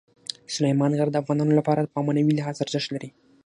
سلیمان غر د افغانانو لپاره په معنوي لحاظ ارزښت لري.